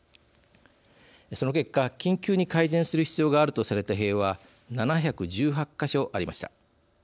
その結果緊急に改善する必要があるとされた塀は７１８か所ありました。